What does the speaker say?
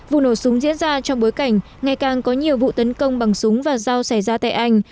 vụ nổ súng diễn ra trong bối cảnh ngày càng có nhiều vụ tấn công bằng súng và dao xảy ra tại anh